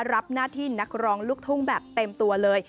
รับหน้าที่นักร้องลูกทุ่งแบบเต็มตัวเลย